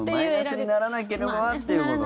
マイナスにならなければっていうことね。